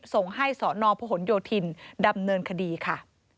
ส่งให้สนพหนโยธินดำเนินคดีค่ะ